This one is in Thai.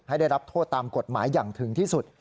ได้รับโทษตามกฎหมายอย่างถึงที่สุด